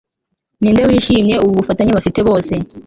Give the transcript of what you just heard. Ninde wishimye ububufatanye bafite bose